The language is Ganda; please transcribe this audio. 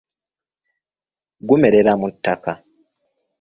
Gumerera mu ttaka.